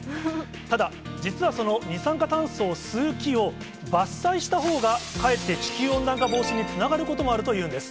ただ、実はその二酸化炭素を吸う木を、伐採したほうがかえって地球温暖化防止につながることもあるというんです。